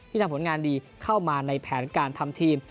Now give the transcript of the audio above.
ที่ทำพนัยดีเซ็นและเข้ามาในแผนการทำธีม